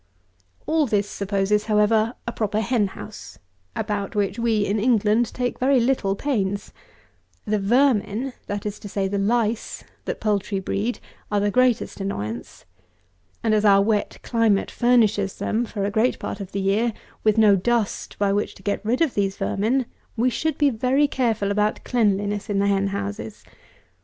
All this supposes, however, a proper hen house, about which we, in England, take very little pains. The vermin, that is to say, the lice, that poultry breed, are the greatest annoyance. And as our wet climate furnishes them, for a great part of the year, with no dust by which to get rid of these vermin, we should be very careful about cleanliness in the hen houses.